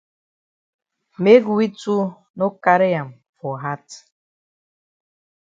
Make we too no carry am for hat.